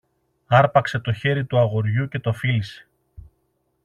άρπαξε το χέρι του αγοριού και το φίλησε.